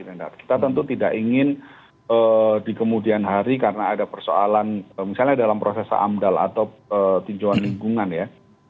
kita tentu tidak ingin di kemudian hari karena ada persoalan misalnya dalam proses amdal atau tinjauan lingkungan ya